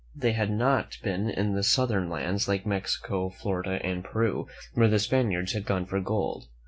They had not been in the southern lands, like Mexico, Florida and Peru, where the Spaniards had gone for gold.